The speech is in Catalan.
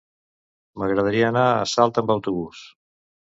M'agradaria anar a Salt amb autobús.